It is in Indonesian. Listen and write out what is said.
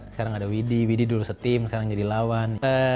sekarang ada widhi widi dulu setim sekarang jadi lawan